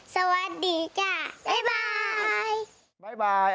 สวัสดีจ้ะบ๊ายบาย